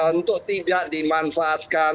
untuk tidak dimanfaatkan